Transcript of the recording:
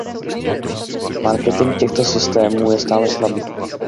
Marketing těchto systémů je stále slabý.